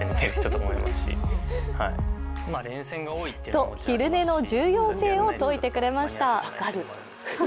と昼寝の重要性を説いてくれました。